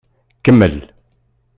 Kemmel!